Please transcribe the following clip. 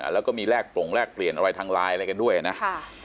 แล้วก็มีแลกปร่งแลกเปลี่ยนอะไรทางไลน์อะไรกันด้วยนะ